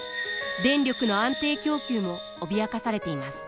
電力の安定供給も脅かされています。